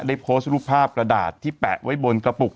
ได้โพสต์รูปภาพกระดาษที่แปะไว้บนกระปุก